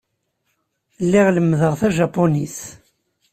Lliɣ lemmdeɣ Tajaponit.